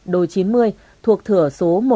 đồi chín mươi thuộc thửa số một trăm năm mươi một